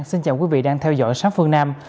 xin chào quý vị đang theo dõi sát phương nam